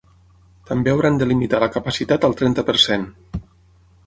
També hauran de limitar la capacitat al trenta per cent.